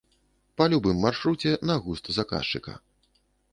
Па любым маршруце на густ заказчыка.